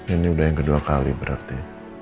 ini udah yang kedua kali berarti